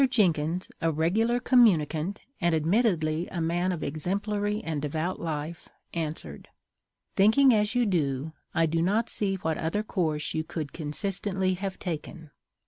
Jenkins, a regular communicant, and admittedly a man of exemplary and devout life, answered: "Thinking as you do, I do not see what other course you could consistently have taken.